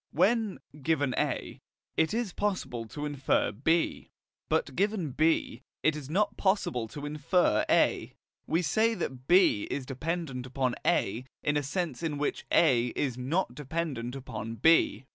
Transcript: When, given A, it is possible to infer B, but given B, it is not possible to infer A, we say that B is dependent upon A in a sense in which A is not dependent upon B.